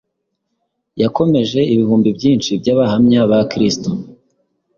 yakomeje ibihumbi byinshi by’abahamya ba Kristo